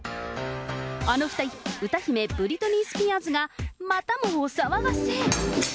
あの歌姫、ブリトニー・スピアーズが、またもお騒がせ。